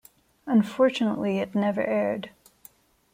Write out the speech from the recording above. Unfortunately it never aired.